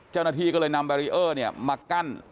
เจ้าหน้าที่ก็เลยนำแบรีเออร์มากั้น